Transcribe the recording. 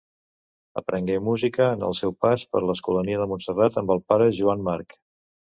Aprengué música en el seu pas per l'Escolania de Montserrat amb el pare Joan Marc.